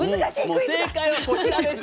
もう正解はこちらです。